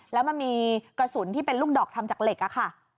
แล้วมันมีกระสุนที่เป็นลูกดอกทำจากเหล็กอะค่ะ